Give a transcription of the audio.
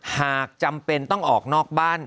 หากจำเป็นต้องออกนอกบ้าน